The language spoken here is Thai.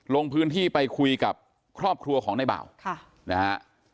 ลงพื้นที่ไปคุยกับครอบครัวของในบ่าวนะฮะ